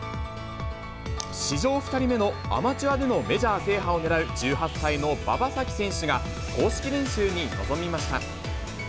史上２人目のアマチュアでのメジャー制覇を狙う１８歳の馬場咲希選手が、公式練習に臨みました。